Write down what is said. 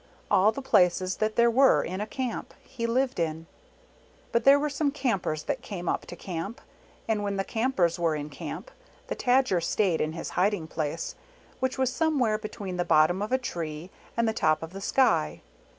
All the places that there were in a Camp, he lived in. But there were some Campers that came up to Camp; and when the Campers were in Camp, the Tajar stayed in his hiding place, which was some where between the bottom of a tree and the top of the sky.